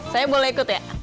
saya boleh ikut ya